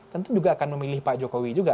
tentu juga akan memilih pak jokowi juga